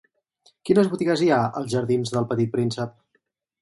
Quines botigues hi ha als jardins d'El Petit Príncep?